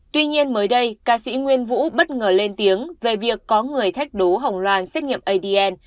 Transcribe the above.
tuy nhiên mới đây ca sĩ nguyên vũ bất ngờ lên tiếng về việc có người thách đố hồng loan xét nghiệm adn